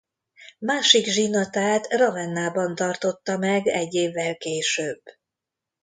Másik zsinatát Ravennában tartotta meg egy évvel később.